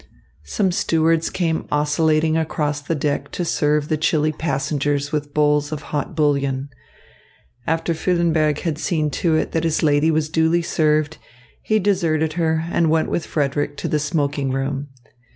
Some stewards came oscillating across the deck to serve the chilly passengers with bowls of hot bouillon. After Füllenberg had seen to it that his lady was duly served, he deserted her and went with Frederick to the smoking room.